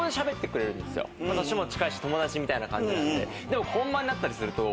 年も近いし友達みたいな感じなんで。